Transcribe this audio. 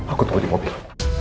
aku tunggu di mobil